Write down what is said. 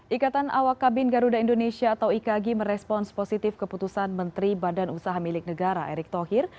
ikatan awak kabin garuda indonesia atau ikagi merespons positif keputusan menteri badan usaha milik negara erick thohir